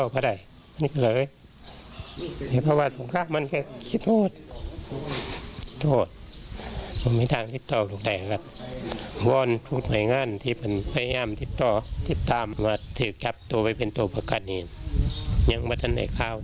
ผมก็ไม่มีทางที่ต่อพวกนายมาถืแตกว่ายานพยายามต๕๙